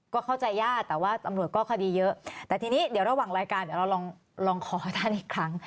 ก็เข้าใจญาติแต่ว่าตำรวจก็คดีเยอะแต่ทีนี้เดี๋ยวระหว่างรายการเดี๋ยวเราลองขอท่านอีกครั้ง